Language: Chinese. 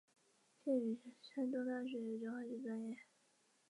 圣瑟法斯是马斯特里赫特城的主保圣人。